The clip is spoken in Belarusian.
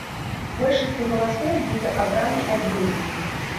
Большасцю галасоў будзе абраны адзін з іх.